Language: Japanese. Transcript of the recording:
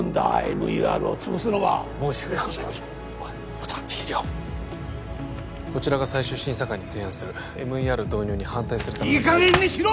ＭＥＲを潰すのは申し訳ございませんおい音羽資料をこちらが最終審査会に提案するＭＥＲ導入に反対するためのいい加減にしろ！